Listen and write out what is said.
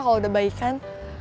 kalo udah baikan